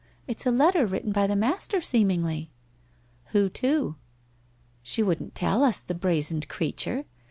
It's a letter written by the master, seemingly !' 'Who to?' { She wouldn't tell us, the brazened creature